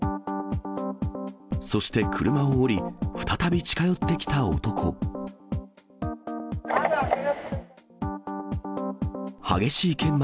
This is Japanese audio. そして、車を降り、再び近寄って窓開けろ！